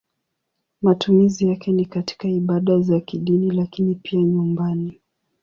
Matumizi yake ni katika ibada za kidini lakini pia nyumbani.